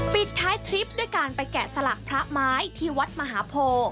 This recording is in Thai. ปิดท้ายทริปด้วยการไปแกะสลักพระไม้ที่วัดมหาโพ